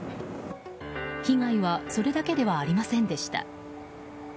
被害はそれだけではありませんでした。